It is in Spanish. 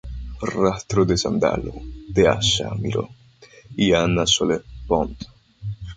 Rastros de sándalo, de Asha Miró y Anna Soler-Pont